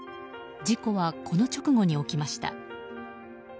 事故はこの直後に起きました。